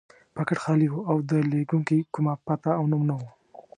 پاکټ خالي و او د لېږونکي کومه پته او نوم نه و.